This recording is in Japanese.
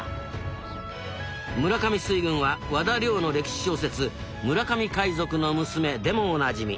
村上水軍は和田竜の歴史小説「村上海賊の娘」でもおなじみ。